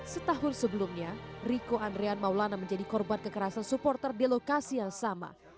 setahun sebelumnya riko andrean maulana menjadi korban kekerasan supporter di lokasi yang sama